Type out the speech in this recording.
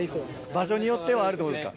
場所によってはあるということですか？